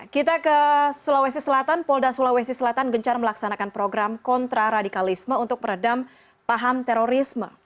kita ke sulawesi selatan polda sulawesi selatan gencar melaksanakan program kontraradikalisme untuk meredam paham terorisme